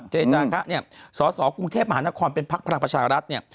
เจจาคะเนี่ยสสกรุงเทพมหานครเป็นพักพลังประชารัฐเนี่ย